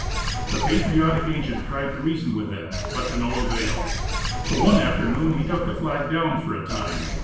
The patriotic agent tried to reason with them but to no avail, so one afternoon he took the flag down for a time.